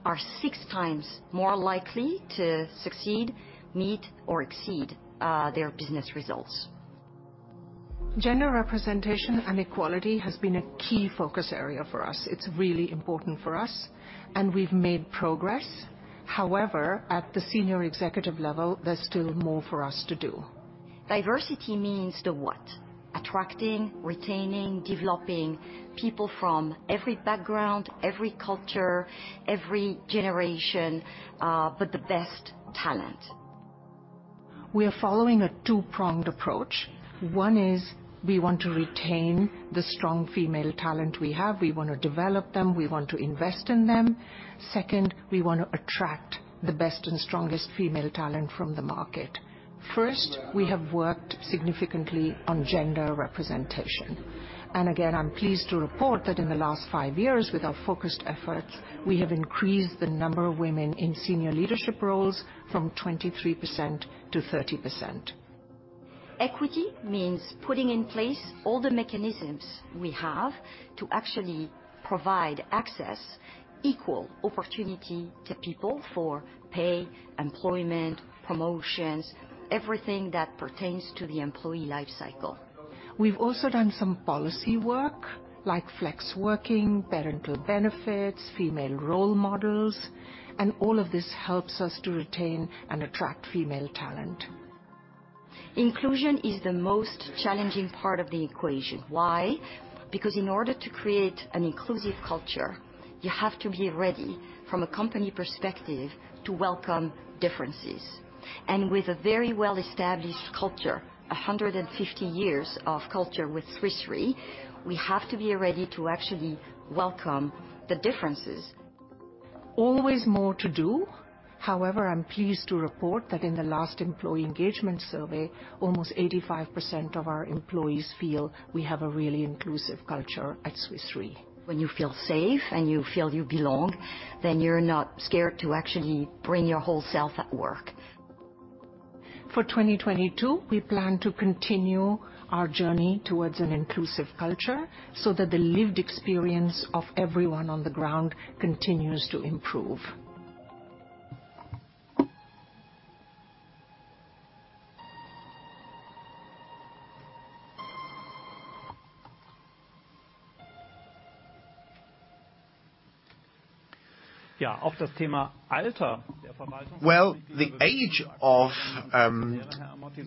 are 6x more likely to succeed, meet or exceed their business results. Gender representation and equality has been a key focus area for us. It's really important for us, and we've made progress. However, at the senior executive level, there's still more for us to do. Diversity means the what? Attracting, retaining, developing people from every background, every culture, every generation, but the best talent. We are following a two-pronged approach. One is we want to retain the strong female talent we have. We wanna develop them, we want to invest in them. Second, we wanna attract the best and strongest female talent from the market. First, we have worked significantly on gender representation. Again, I'm pleased to report that in the last five years with our focused efforts, we have increased the number of women in senior leadership roles from 23%-30%. Equity means putting in place all the mechanisms we have to actually provide access, equal opportunity to people for pay, employment, promotions, everything that pertains to the employee life cycle. We've also done some policy work, like flex working, parental benefits, female role models, and all of this helps us to retain and attract female talent. Inclusion is the most challenging part of the equation. Why? Because in order to create an inclusive culture, you have to be ready from a company perspective to welcome differences. With a very well-established culture, 150 years of culture with Swiss Re, we have to be ready to actually welcome the differences. Always more to do. However, I'm pleased to report that in the last employee engagement survey, almost 85% of our employees feel we have a really inclusive culture at Swiss Re. When you feel safe and you feel you belong, then you're not scared to actually bring your whole self at work. For 2022, we plan to continue our journey towards an inclusive culture, so that the lived experience of everyone on the ground continues to improve. Well, the age of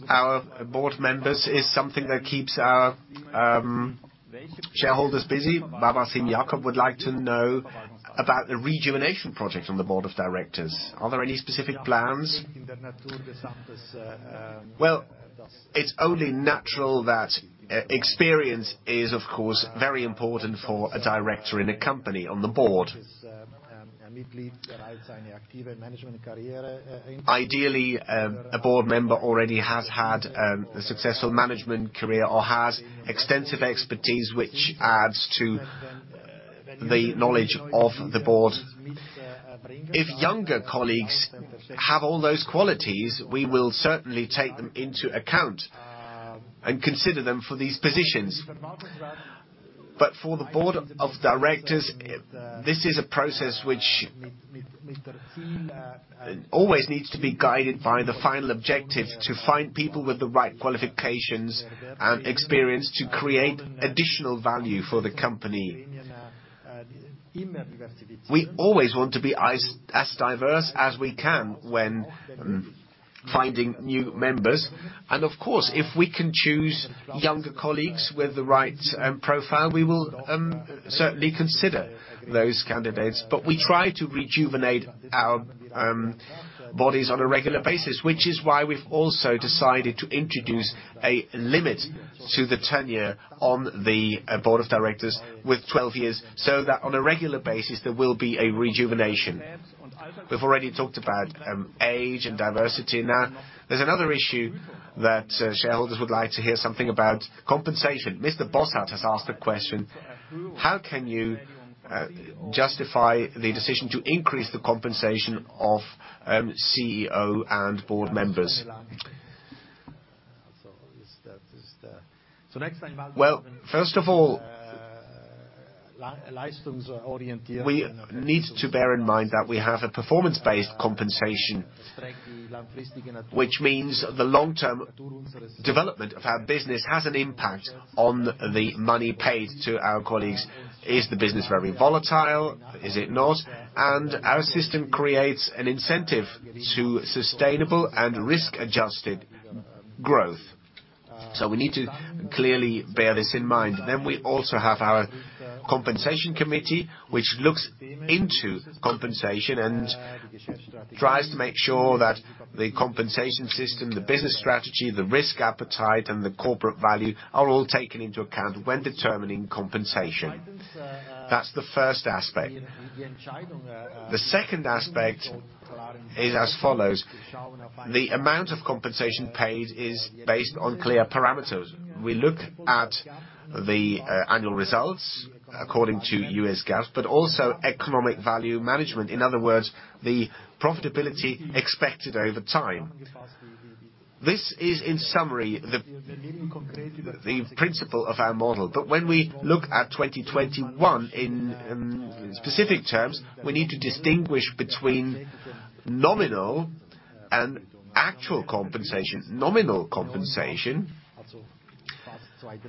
our board members is something that keeps our shareholders busy. Jacob Briner would like to know about the rejuvenation project on the Board of Directors. Are there any specific plans? Well, it's only natural that experience is, of course, very important for a director in a company on the board. Ideally, a board member already has had a successful management career or has extensive expertise which adds to the knowledge of the board. If younger colleagues have all those qualities, we will certainly take them into account and consider them for these positions. For the Board of Directors, this is a process which always needs to be guided by the final objective to find people with the right qualifications and experience to create additional value for the company. We always want to be as diverse as we can when finding new members. Of course, if we can choose younger colleagues with the right profile, we will certainly consider those candidates. We try to rejuvenate our bodies on a regular basis, which is why we've also decided to introduce a limit to the tenure on the Board of Directors with 12 years, so that on a regular basis, there will be a rejuvenation. We've already talked about age and diversity. Now, there's another issue that shareholders would like to hear something about: compensation. Mr. Bossat has asked a question, "How can you justify the decision to increase the compensation of CEO and board members?" Well, first of all, we need to bear in mind that we have a performance-based compensation, which means the long-term development of our business has an impact on the money paid to our colleagues. Is the business very volatile? Is it not? Our system creates an incentive to sustainable and risk-adjusted growth. We need to clearly bear this in mind. We also have our Compensation Committee, which looks into compensation and tries to make sure that the compensation system, the business strategy, the risk appetite, and the corporate value are all taken into account when determining compensation. That's the first aspect. The second aspect is as follows. The amount of compensation paid is based on clear parameters. We look at the annual results according to U.S. GAAP, but also Economic Value Management. In other words, the profitability expected over time. This is in summary the principle of our model. When we look at 2021 in specific terms, we need to distinguish between nominal and actual compensation. Nominal compensation to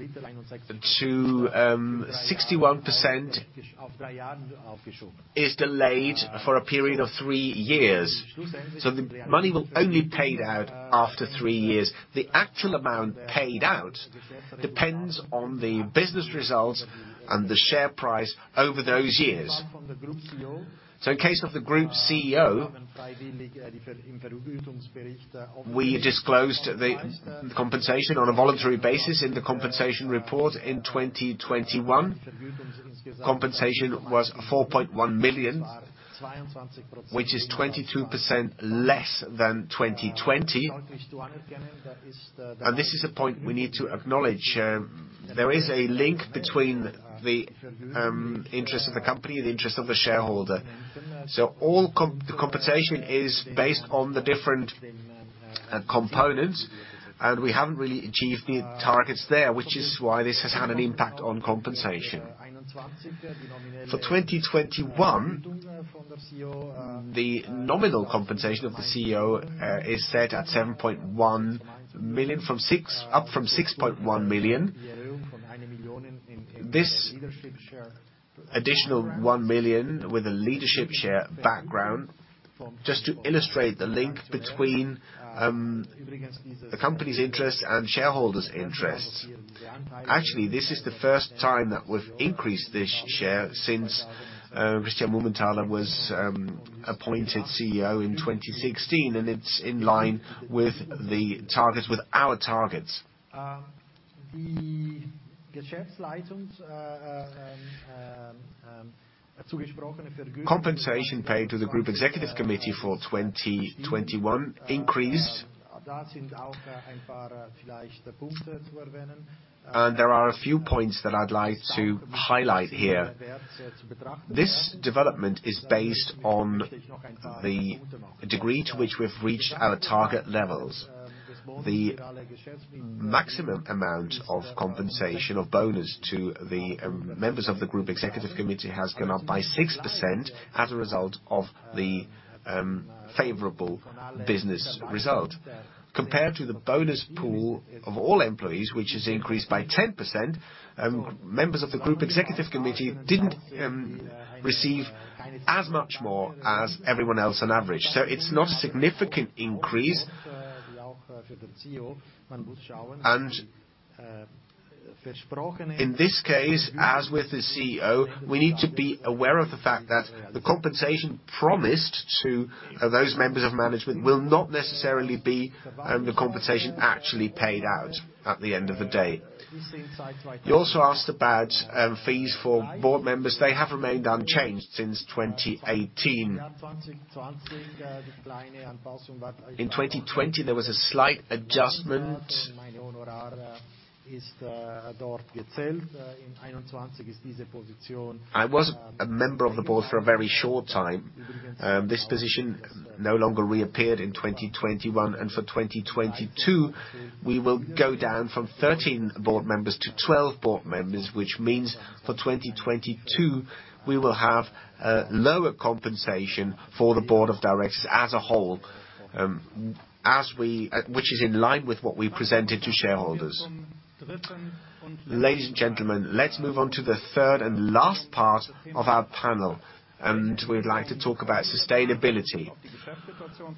61% is delayed for a period of three years. The money will only paid out after three years. The actual amount paid out depends on the business results and the share price over those years. In case of the Group CEO, we disclosed the compensation on a voluntary basis in the compensation report in 2021. Compensation was $4.1 million, which is 22% less than 2020. This is a point we need to acknowledge. There is a link between the interest of the company, the interest of the shareholder. The compensation is based on the different components, and we haven't really achieved the targets there, which is why this has had an impact on compensation. For 2021, the nominal compensation of the CEO is set at $7.1 million up from $6.1 million. This additional $1 million with a leadership share background, just to illustrate the link between the company's interests and shareholders' interests. Actually, this is the first time that we've increased this share since Christian Mumenthaler was appointed CEO in 2016, and it's in line with the targets, with our targets. Compensation paid to the Group Executive Committee for 2021 increased. There are a few points that I'd like to highlight here. This development is based on the degree to which we've reached our target levels. The maximum amount of compensation or bonus to the members of the Group Executive Committee has gone up by 6% as a result of the favorable business result. Compared to the bonus pool of all employees, which has increased by 10%, members of the Group Executive Committee didn't receive as much more as everyone else on average. So it's not a significant increase. In this case, as with the CEO, we need to be aware of the fact that the compensation promised to those members of management will not necessarily be the compensation actually paid out at the end of the day. You also asked about fees for board members. They have remained unchanged since 2018. In 2020, there was a slight adjustment. I was a member of the board for a very short time. This position no longer reappeared in 2021. For 2022, we will go down from 13 board members to 12 board members, which means for 2022, we will have a lower compensation for the Board of Directors as a whole, which is in line with what we presented to shareholders. Ladies and gentlemen, let's move on to the third and last part of our panel, and we'd like to talk about sustainability.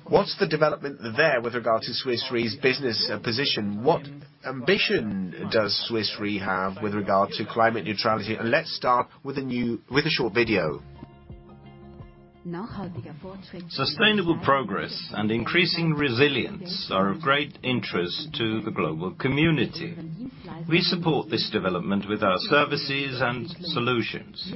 What's the development there with regard to Swiss Re's business position? What ambition does Swiss Re have with regard to climate neutrality? Let's start with a short video. Sustainable progress and increasing resilience are of great interest to the global community. We support this development with our services and solutions.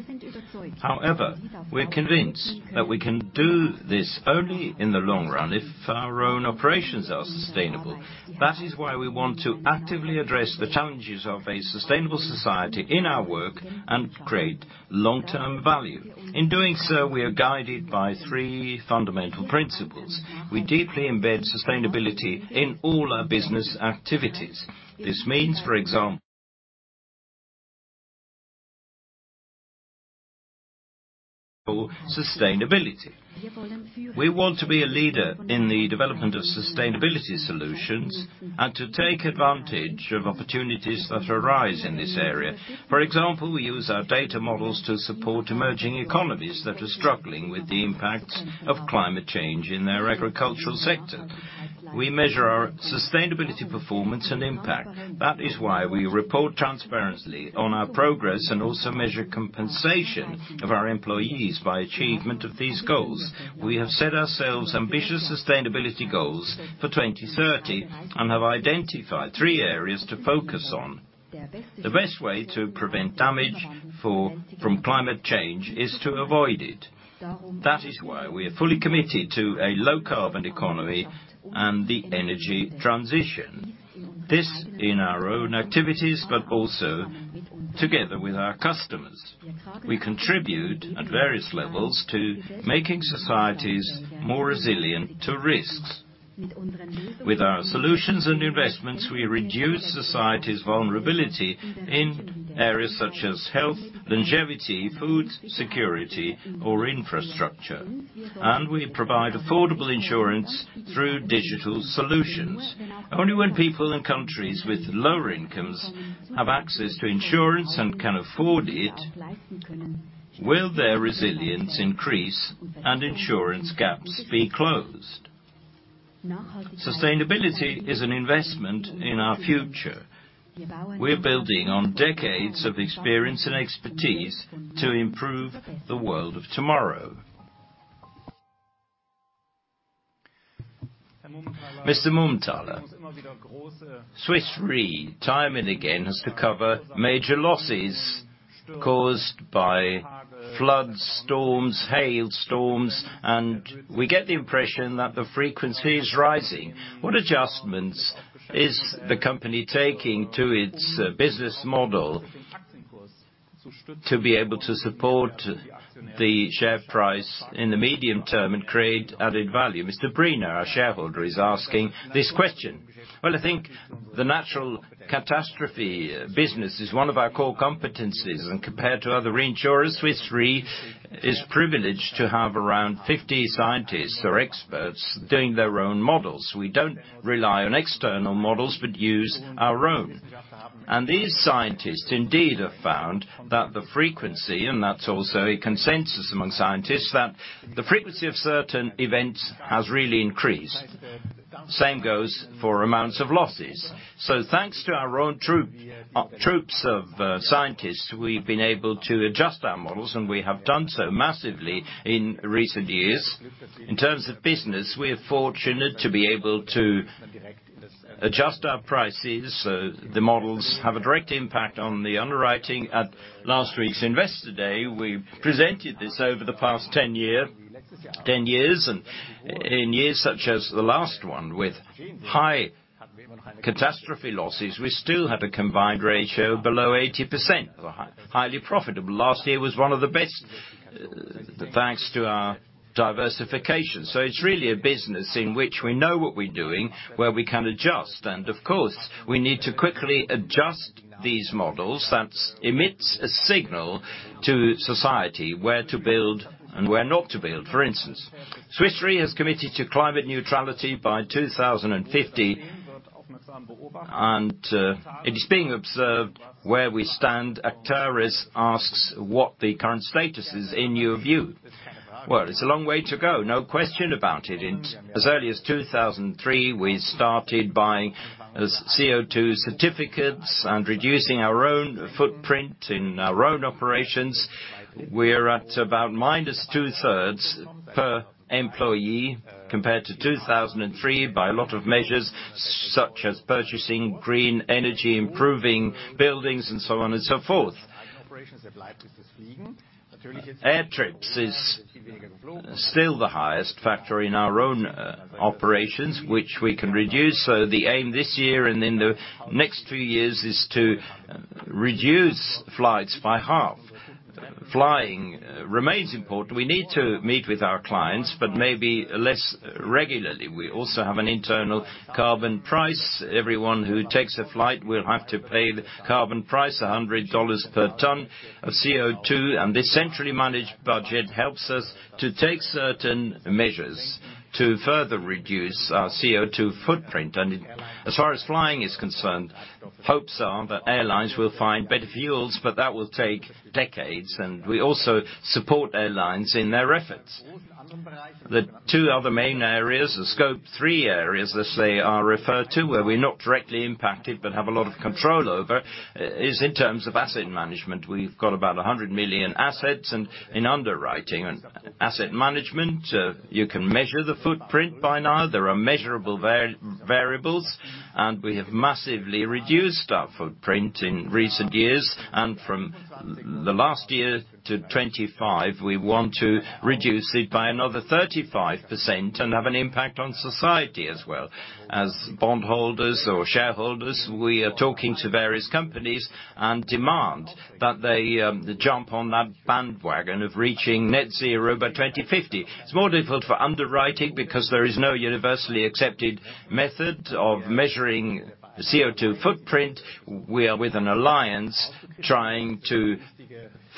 However, we're convinced that we can do this only in the long run if our own operations are sustainable. That is why we want to actively address the challenges of a sustainable society in our work and create long-term value. In doing so, we are guided by three fundamental principles. We deeply embed sustainability in all our business activities. This means, for example, sustainability. We want to be a leader in the development of sustainability solutions and to take advantage of opportunities that arise in this area. For example, we use our data models to support emerging economies that are struggling with the impacts of climate change in their agricultural sector. We measure our sustainability performance and impact. That is why we report transparency on our progress and also measure compensation of our employees by achievement of these goals. We have set ourselves ambitious sustainability goals for 2030 and have identified three areas to focus on. The best way to prevent damage from climate change is to avoid it. That is why we are fully committed to a low-carbon economy and the energy transition. This, in our own activities, but also together with our customers. We contribute at various levels to making societies more resilient to risks. With our solutions and investments, we reduce society's vulnerability in areas such as health, longevity, food security or infrastructure. We provide affordable insurance through digital solutions. Only when people in countries with lower incomes have access to insurance and can afford it will their resilience increase and insurance gaps be closed. Sustainability is an investment in our future. We're building on decades of experience and expertise to improve the world of tomorrow. Mr. Mumenthaler, Swiss Re time and again has to cover major losses caused by floods, storms, hail storms, and we get the impression that the frequency is rising. What adjustments is the company taking to its business model to be able to support The share price in the medium term and create added value. Mr. Briner, our shareholder, is asking this question. Well, I think the natural catastrophe business is one of our core competencies, and compared to other reinsurers, Swiss Re is privileged to have around 50 scientists or experts doing their own models. We don't rely on external models, but use our own. These scientists indeed have found that the frequency, and that's also a consensus among scientists, that the frequency of certain events has really increased. Same goes for amounts of losses. Thanks to our own troops of scientists, we've been able to adjust our models, and we have done so massively in recent years. In terms of business, we're fortunate to be able to adjust our prices, so the models have a direct impact on the underwriting. At last week's Investor Day, we presented this over the past 10 years. In years such as the last one, with high catastrophe losses, we still have a combined ratio below 80%, highly profitable. Last year was one of the best thanks to our diversification. It's really a business in which we know what we're doing, where we can adjust. Of course, we need to quickly adjust these models that emits a signal to society where to build and where not to build. For instance, Swiss Re is committed to climate neutrality by 2050. It is being observed where we stand. Actares asks what the current status is in your view. Well, it's a long way to go, no question about it. In as early as 2003, we started buying CO2 certificates and reducing our own footprint in our own operations. We're at about minus two-thirds per employee compared to 2003 by a lot of measures, such as purchasing green energy, improving buildings, and so on and so forth. Air trips is still the highest factor in our own operations, which we can reduce. The aim this year and in the next three years is to reduce flights by half. Flying remains important. We need to meet with our clients, but maybe less regularly. We also have an internal carbon price. Everyone who takes a flight will have to pay the carbon price, $100 per ton of CO2. This centrally managed budget helps us to take certain measures to further reduce our CO2 footprint. As far as flying is concerned, hopes are that airlines will find better fuels, but that will take decades, and we also support airlines in their efforts. The two other main areas, the Scope 3 areas as they are referred to, where we're not directly impacted but have a lot of control over, is in terms of asset management. We've got about 100 million assets and in underwriting. Asset management, you can measure the footprint by now. There are measurable variables, and we have massively reduced our footprint in recent years. From the last year to 2025, we want to reduce it by another 35% and have an impact on society as well. As bondholders or shareholders, we are talking to various companies and demand that they jump on that bandwagon of reaching net zero by 2050. It's more difficult for underwriting because there is no universally accepted method of measuring CO2 footprint. We are with an alliance trying to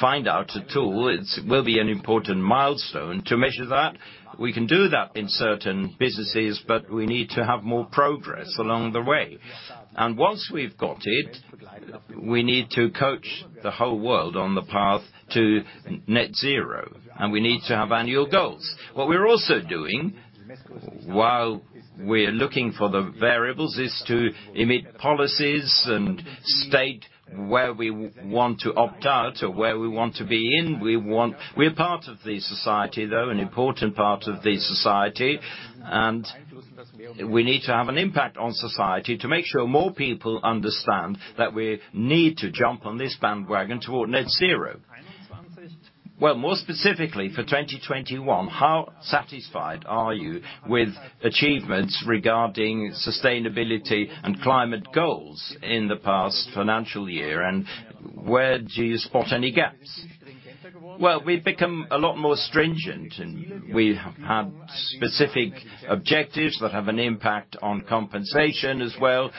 find out a tool. It will be an important milestone to measure that. We can do that in certain businesses, but we need to have more progress along the way. Once we've got it, we need to coach the whole world on the path to net zero, and we need to have annual goals. What we're also doing while we're looking for the variables is to amend policies and state where we want to opt out or where we want to be in. We're part of the society though, an important part of the society, and we need to have an impact on society to make sure more people understand that we need to jump on this bandwagon toward net zero. Well, more specifically, for 2021, how satisfied are you with achievements regarding sustainability and climate goals in the past financial year, and where do you spot any gaps? Well, we've become a lot more stringent, and we have had specific objectives that have an impact on compensation as well.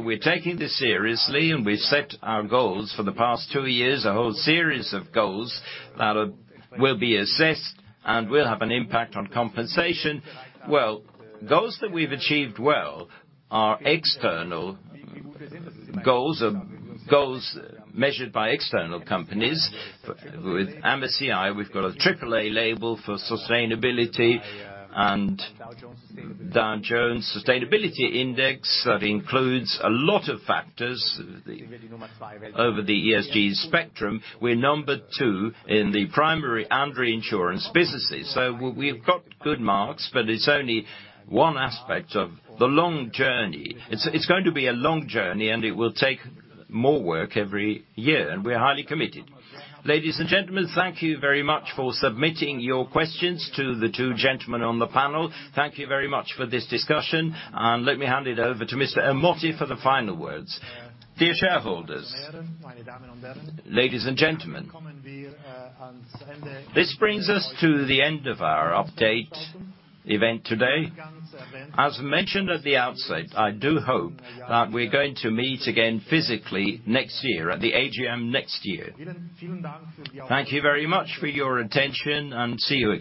We're taking this seriously, and we've set our goals for the past two years, a whole series of goals that will be assessed and will have an impact on compensation. Well, goals that we've achieved well are external goals or goals measured by external companies. With MSCI, we've got a AAA label for sustainability and Dow Jones Sustainability Index. That includes a lot of factors over the ESG spectrum. We're number two in the primary and reinsurance businesses. We've got good marks, but it's only one aspect of the long journey. It's going to be a long journey, and it will take more work every year, and we're highly committed. Ladies and gentlemen, thank you very much for submitting your questions to the two gentlemen on the panel. Thank you very much for this discussion, and let me hand it over to Mr. Ermotti for the final words. Dear shareholders, ladies and gentlemen, this brings us to the end of our update event today. As mentioned at the outset, I do hope that we're going to meet again physically next year at the AGM next year. Thank you very much for your attention and see you.